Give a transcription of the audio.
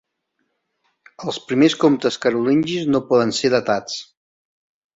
Els primers comtes carolingis no poden ser datats.